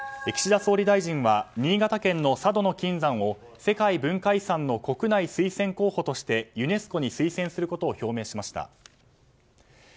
岸田総理大臣は新潟県の佐渡島の金山を世界文化遺産の国内推薦候補としてユネスコに推薦することを表明しました。